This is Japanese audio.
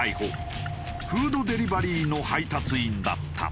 フードデリバリーの配達員だった。